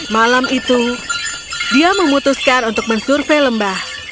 malam itu dia memutuskan untuk mensurvey lembah